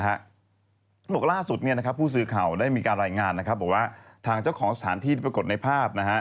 เขาบอกล่าสุดผู้สื่อข่าวได้มีการรายงานนะครับบอกว่าทางเจ้าของสถานที่ที่ปรากฏในภาพ